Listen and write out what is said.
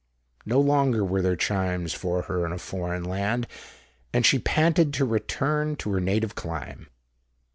No longer were there charms for her in a foreign land; and she panted to return to her native clime.